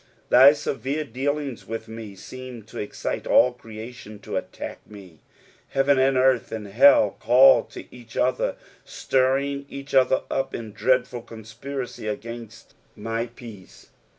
Thy severe dealings with me seem to excite all creation to attack me ; heaven, and earth, and hell, call to each other, stirring each other up in dreadful conspiracy against my peace.